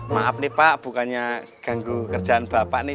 maaf nih pak bukannya ganggu kerjaan bapak nih